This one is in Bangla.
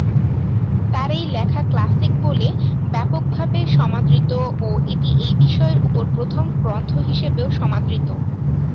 তার এই লেখা ক্লাসিক বলে ব্যাপকভাবে সমাদৃত ও এটি এই বিষয়ের উপর প্রথম গ্রন্থ হিসেবেও সমাদৃত।